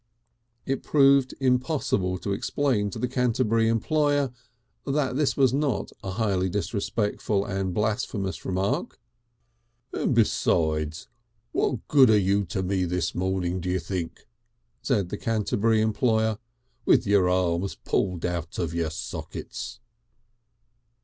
It proved impossible to explain to the Canterbury employer that this was not a highly disrespectful and blasphemous remark. "And besides, what good are you to me this morning, do you think?" said the Canterbury employer, "with your arms pulled out of their sockets?"